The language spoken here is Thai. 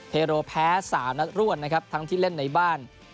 เทโรแพ้๓นัดรวดนะครับทั้งที่เล่นในบ้าน